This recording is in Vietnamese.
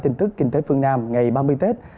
tin tức kinh tế phương nam ngày ba mươi tết